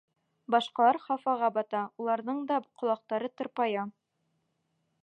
Башҡалар хафаға бата, уларҙың да ҡолаҡтары тырпая.